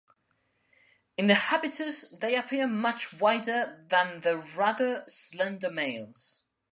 In the habitus they appear much wider than the rather slender males.